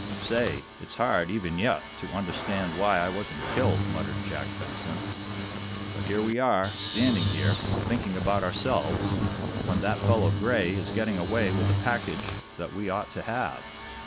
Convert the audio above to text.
"Say, it's hard, even yet, to understand why I wasn't killed," muttered Jack Benson. "But here we are, standing here, thinking about ourselves, when that fellow, Gray, is getting away with a package that we ought to have.